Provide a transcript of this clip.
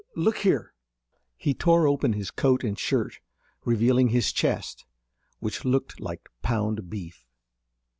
Look here!" He tore open his coat and shirt, revealing his chest, which looked like pounded beef.